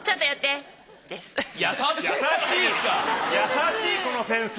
優しいこの先生。